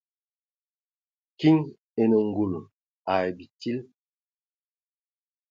Kiŋ enə ngul ai bitil.